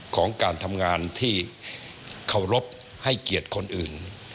ของการทำงานที่เคารพให้เกียรติคนอื่น